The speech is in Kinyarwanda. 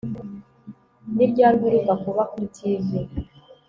Ni ryari uheruka kuba kuri TV